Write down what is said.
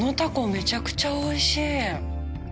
めちゃくちゃおいしい。